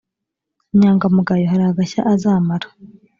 inyangamugayo hari agashya azamara